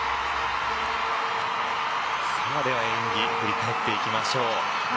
では、演技を振り返っていきましょう。